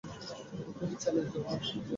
তুমি চালিয়ে যাও, আমার ফোন করতে হবে।